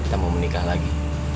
kita mau menikah lagi